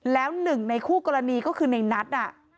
แล้ว๑ในคู่กรณีก็คือในนัท